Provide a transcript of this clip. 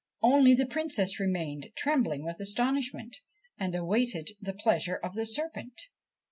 Only the Princess remained, trembling with astonishment, and awaited the pleasure of the serpent.